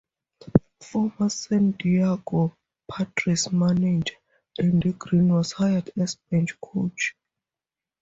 Former San Diego Padres manager Andy Green was hired as bench coach.